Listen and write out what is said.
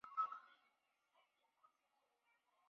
安徽歙县人。